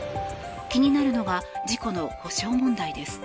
気になるのが事故の補償問題です。